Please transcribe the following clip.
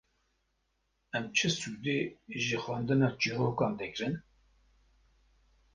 Em çi sûdê ji xwendina çîrokan digrin?